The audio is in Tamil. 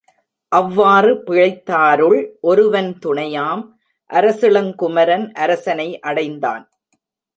அவ்வாறு பிழைத்தாருள் ஒருவன் துணையாம், அரசிளங்குமரன் அரசனை அடைந்தான்.